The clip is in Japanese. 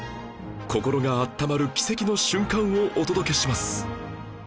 心があったまる奇跡の瞬間をお届けします